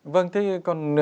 vâng thế còn